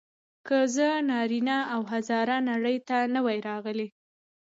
که زه نارینه او هزاره نړۍ ته نه وای راغلی.